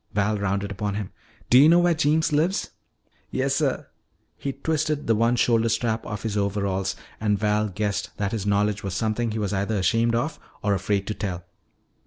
Val rounded upon him. "Do you know where Jeems lives?" "Yessuh." He twisted the one shoulder strap of his overalls and Val guessed that his knowledge was something he was either ashamed of or afraid to tell.